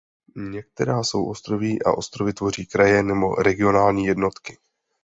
Některá souostroví a ostrovy tvoří kraje nebo regionální jednotky.